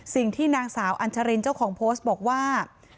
สิ่งที่นางสาวอัญชรินเจ้าของโพสต์บอกว่า